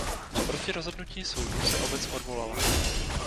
Proti rozhodnutí soudu se obec odvolala.